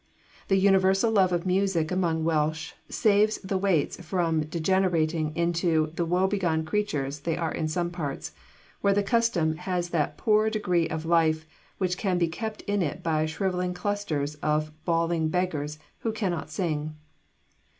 The universal love of music among the Welsh saves the waits from degenerating into the woe begone creatures they are in some parts, where the custom has that poor degree of life which can be kept in it by shivering clusters of bawling beggars who cannot sing.